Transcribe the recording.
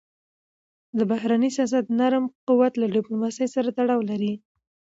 د بهرني سیاست نرم قوت له ډیپلوماسی سره تړاو لري.